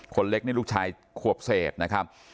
คนเล็กนี่ลูกชายขวบเศษนะครับ